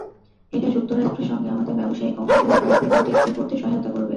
এটা যুক্তরাষ্ট্রের সঙ্গে আমাদের ব্যবসায়িক অংশীদারি বাড়াতে এবং টেকসই করতে সহায়তা করবে।